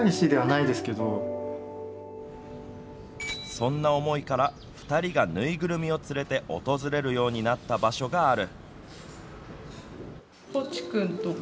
そんな思いから２人が縫いぐるみを連れて訪れるようになった場所がある。